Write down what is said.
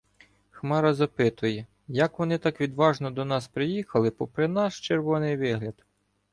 Хмара запитує, як вони так відважно до нас приїхали, попри наш "червоний вигляд".